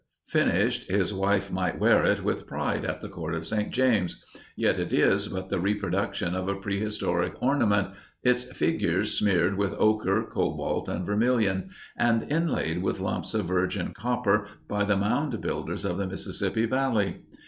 Finished, his wife might wear it with pride at the Court of St. James, yet it is but the reproduction of a prehistoric ornament, its figures smeared with ochre, cobalt and vermilion, and inlaid with lumps of virgin copper by the mound builders of the Mississippi Valley.